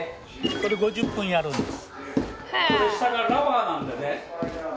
これ５０分やるんです。